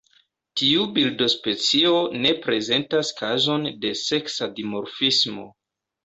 Tiu birdospecio ne prezentas kazon de seksa dimorfismo.